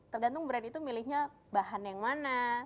tergantung brand itu milihnya bahan yang mana